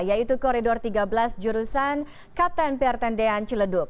yaitu koridor tiga belas jurusan kapten pertendean ciledug